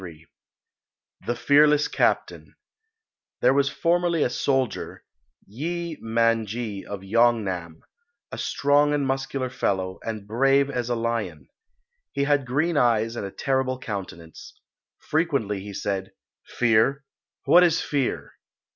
XXXIII THE FEARLESS CAPTAIN There was formerly a soldier, Yee Man ji of Yong nam, a strong and muscular fellow, and brave as a lion. He had green eyes and a terrible countenance. Frequently he said, "Fear! What is fear?"